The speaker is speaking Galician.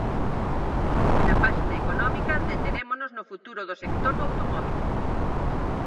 E na páxina económica deterémonos no futuro do sector do automóbil.